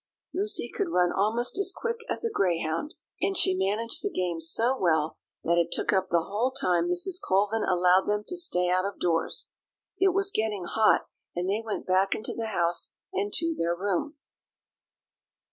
Lucy could run almost as quick as a greyhound, and she managed the game so well, that it took up the whole time Mrs. Colvin allowed them to stay out of doors. It was getting hot, and they went back into the house, and to their room.